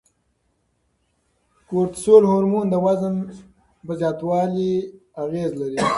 کورتسول هورمون د وزن په زیاتوالي اغیز لري.